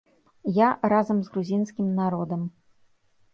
Я разам з грузінскім народам.